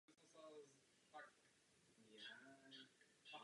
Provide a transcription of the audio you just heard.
Tento a další rok je jedním z nejúspěšnějších v prodeji singlů.